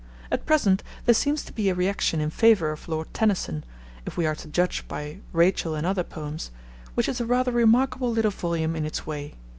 At present, there seems to be a reaction in favour of Lord Tennyson, if we are to judge by Rachel and Other Poems, which is a rather remarkable little volume in its way.